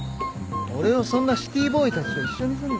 俺をそんなシティーボーイたちと一緒にすんな。